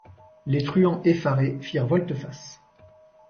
Les truands effarés firent volte-face.